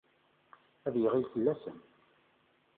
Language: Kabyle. Ad d-iɣli fell-asen.